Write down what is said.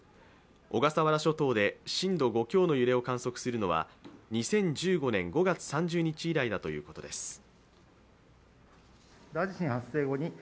小笠原諸島で震度５強の揺れを観測するのは２０１５年５月３０日以来だということです。